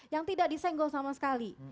yang tidak disenggol sama sekali